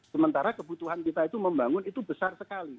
sementara kebutuhan kita itu membangun itu besar sekali